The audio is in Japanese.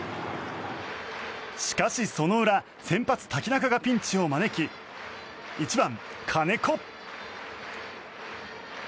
しかし、その裏先発、瀧中がピンチを招き１番、金子。